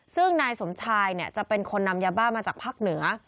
ซึ่งนายสมชายจะเป็นคนนำยาบ้ามาจากภาคเหนือ